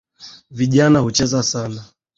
Vijana hucheza sana